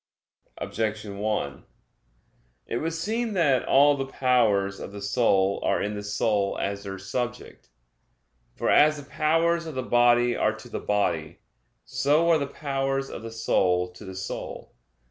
Objection 1: It would seem that all the powers of the soul are in the soul as their subject. For as the powers of the body are to the body; so are the powers of the soul to the soul.